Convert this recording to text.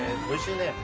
おいしいね。